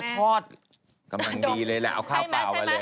ทอดกำลังดีเลยแหละเอาข้าวเปล่ามาเลย